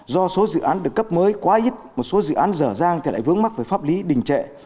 do số dự án được cấp mới quá ít một số dự án dở dang thì lại vướng mắc về pháp lý đình trệ